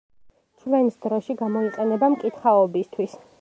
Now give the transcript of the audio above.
ჩვენს დროში გამოიყენება მკითხაობისთვის.